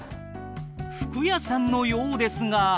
服屋さんのようですが。